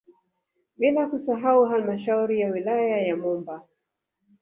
Bila kusahau halmashauri ya wilaya ya Momba